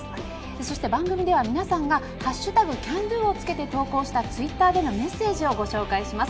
そして番組では皆さんが「＃ＣＡＮＤＯ」をつけて投稿したツイッターでのメッセージをご紹介します。